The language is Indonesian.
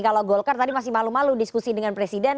kalau golkar tadi masih malu malu diskusi dengan presiden